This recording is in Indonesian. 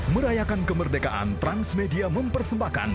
merayakan kemerdekaan transmedia mempersembahkan